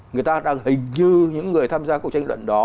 người ta đang hình như những người tham gia cuộc tranh luận đó